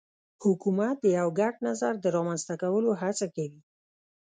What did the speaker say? حکومت د یو ګډ نظر د رامنځته کولو هڅه کوي